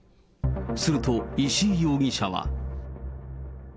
すると、石井容疑者は。